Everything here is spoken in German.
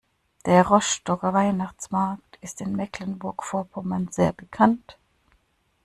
Der Rostocker Weihnachtsmarkt ist in Mecklenburg-Vorpommern sehr bekannt.